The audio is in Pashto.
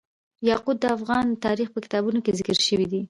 یاقوت د افغان تاریخ په کتابونو کې ذکر شوی دي.